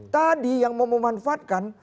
tadi yang mau memanfaatkan